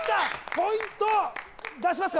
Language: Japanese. ポイント出しますか？